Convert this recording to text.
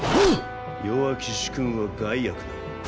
弱き主君は害悪なり。